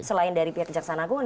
selain dari pihak kejaksaan agung